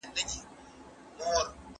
زه اوس مڼې خورم؟!